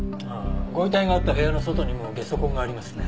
ご遺体があった部屋の外にもゲソ痕がありますね。